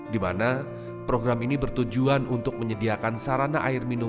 di mana program ini bertujuan untuk menyediakan sarana air minum